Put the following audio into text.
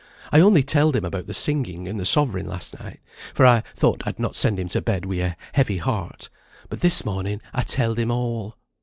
I only telled him about the singing and the sovereign last night, for I thought I'd not send him to bed wi' a heavy heart; but this morning I telled him all."